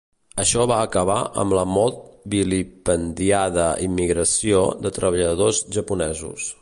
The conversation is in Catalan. Això va acabar amb la molt vilipendiada immigració de treballadors japonesos.